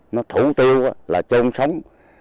nó thủ tiêu là trôn sống